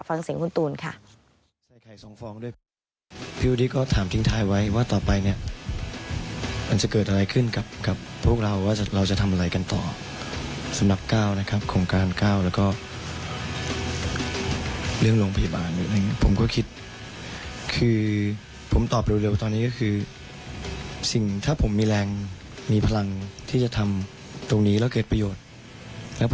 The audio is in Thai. ฟังเสียงคุณตูนค่ะ